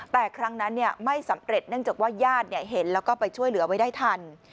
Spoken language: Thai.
แต่ครั้งนั้นไม่สำเร็จเนื่องจากว่าญาติเห็นแล้วก็ไปช่วยเหลือไว้ได้ทัน